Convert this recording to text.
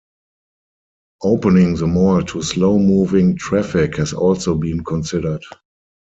Opening the mall to slow moving traffic has also been considered.